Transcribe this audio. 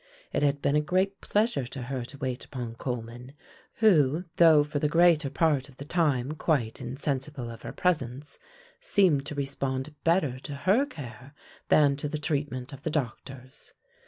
It had been a great pleasure to her to wait upon Coleman, who, though for the greater part of the time quite insensible of her presence, seemed to respond better to her care than to the treatment of the doctors.